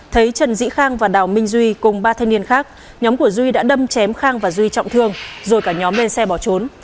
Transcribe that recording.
thấy trần dĩ khang và đào minh duy cùng ba thanh niên khác nhóm của duy đã đâm chém khang và duy trọng thương rồi cả nhóm lên xe bỏ trốn